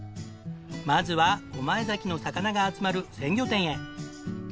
まずは御前崎の魚が集まる鮮魚店へ。